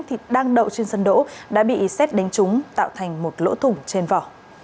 thì đang đậu trên sân đỗ đã bị xét đánh chúng tạo thành một lỗ thủng trên vỏ